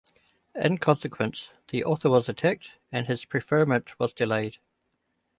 In consequence, the author was attacked and his preferment was delayed.